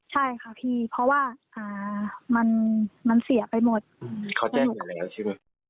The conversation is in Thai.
ใช่ค่ะพี่เพราะว่ามันเสียไปหมดเขาแจ้งหมดแล้วใช่ไหม